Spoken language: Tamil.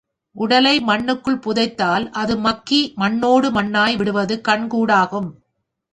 உடலை மண்ணுக்குள் புதைத்தால், அது மக்கி மண்ணோடு மண்ணாய் விடுவது கண் கூடாகும்.